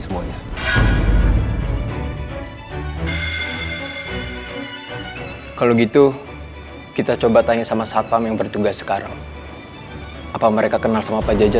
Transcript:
semuanya kalau gitu kita coba tanya sama satpam yang bertugas sekarang apa mereka kenal sama pak jaja